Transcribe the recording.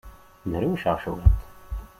Drewceɣ cwiṭ.